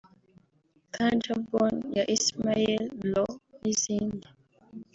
Tajabone ya Ismael Lo n’izindi